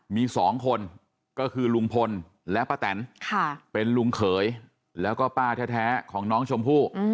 มี๒คนก็คือลุงพลและป้าแตนเป็นลุงเขยแล้วก็ป้าแท้ของน้องชมพู่